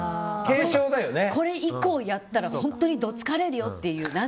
これ１個やったら本当にどつかれるよって。